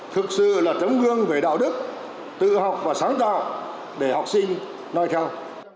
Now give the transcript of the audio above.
thực sự là tấm gương về đạo đức tự học và sáng tạo để học sinh nói theo